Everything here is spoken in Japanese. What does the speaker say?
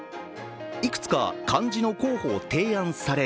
いくつか漢字の候補を提案され